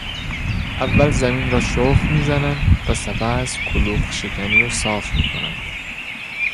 اول زمین را شخم میزنند و سپس کلوخشکنی و صاف میکنند.